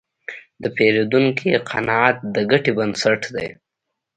د پیرودونکي قناعت د ګټې بنسټ دی.